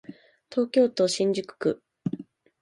東京都新宿区